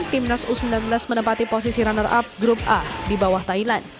timnas u sembilan belas menempati posisi runner up grup a di bawah thailand